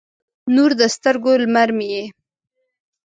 نور د سترګو، لمر مې یې